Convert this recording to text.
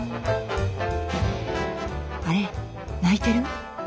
あれ泣いてる！